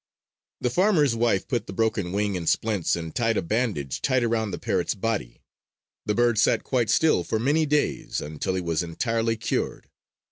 The farmer's wife put the broken wing in splints and tied a bandage tight around the parrot's body. The bird sat quite still for many days, until he was entirely cured.